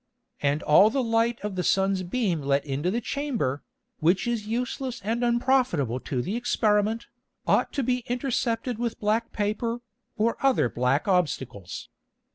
And all the Light of the Sun's Beam let into the Chamber, which is useless and unprofitable to the Experiment, ought to be intercepted with black Paper, or other black Obstacles.